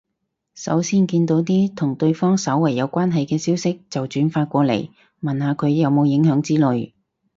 首先見到啲同對方稍為有關係嘅消息就轉發過嚟，問下佢有冇影響之類